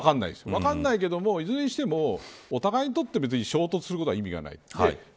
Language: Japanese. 分からないですがいずれにしてもお互いにとって衝突することは意味がない。